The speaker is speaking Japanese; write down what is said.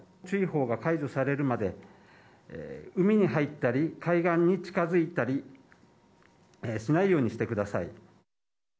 注意報が解除されるまで、海に入ったり、海岸に近づいたりしないようにしてください。